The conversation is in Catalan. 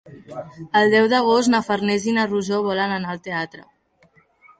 El deu d'agost na Farners i na Rosó volen anar al teatre.